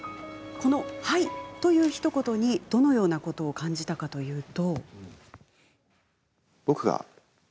この「はい」というひと言にどのようなことを感じたかというと。